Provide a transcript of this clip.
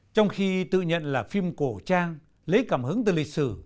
trong khi tự nhận là phim cổ trang lấy cảm hứng từ lịch sử